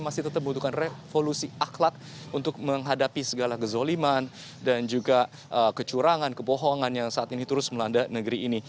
masih tetap membutuhkan revolusi akhlak untuk menghadapi segala kezoliman dan juga kecurangan kebohongan yang saat ini terus melanda negeri ini